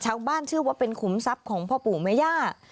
ชาวบ้านเชื่อว่าเป็นขุมทรัพย์ของพ่อปู่แม่ย่า